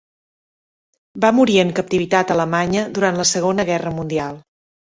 Va morir en captivitat alemanya durant la Segona Guerra Mundial.